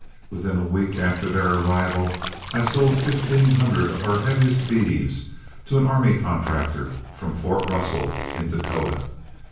Within a week after their arrival I sold fifteen hundred of our heaviest beeves to an army contractor from Fort Russell in Dakota.